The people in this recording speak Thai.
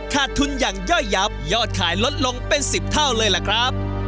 ขาดทุนอย่างย่อยยับยอดขายลดลงเป็น๑๐เท่าเลยล่ะครับ